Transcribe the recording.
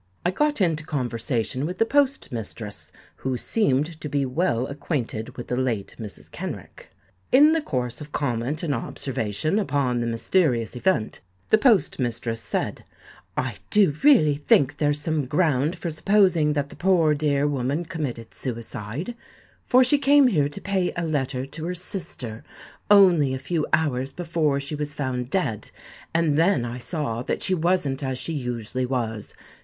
I got into conversation with the post mistress, who seemed to be well acquainted with the late Mrs. Kenrick. In the course of comment and observation upon the mysterious event, the post mistress said, 'I do really think there's some ground for supposing that the poor dear woman committed suicide; for she came here to pay a letter to her sister only a few hours before she was found dead; and then I saw that she wasn't as she usually was.